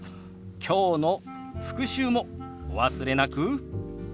きょうの復習もお忘れなく。